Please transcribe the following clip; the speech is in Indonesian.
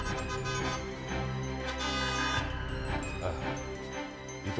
itu ada menyebabkan